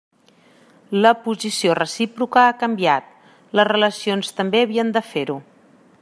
La posició recíproca ha canviat; les relacions també havien de fer-ho.